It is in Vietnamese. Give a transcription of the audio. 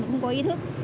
không có ý thức